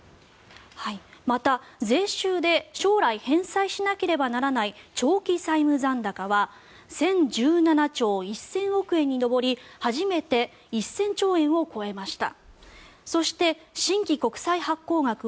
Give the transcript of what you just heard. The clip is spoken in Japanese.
また、税収で将来返済しなければならない長期債務残高は１０１７兆１０００億円に上り初めて１０００兆円を超えました。